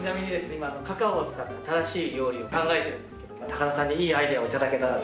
今カカオを使った新しい料理を考えているんですけども高田さんにいいアイデアを頂けたらと。